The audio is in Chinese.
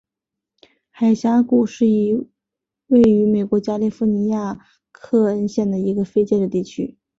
沙峡谷是位于美国加利福尼亚州克恩县的一个非建制地区。